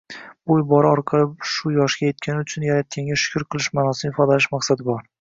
bu ibora orqali shu yoshga yetgani uchun Yaratganga shukr qilish maʼnosini ifodalash maqsadi bor